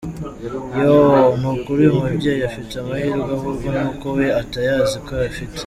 yooooooo, nukuri uyu mubyeyi afite amahirwe ahubwo nuko we atayazi ko ayafite,.